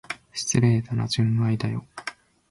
失礼だな、純愛だよ。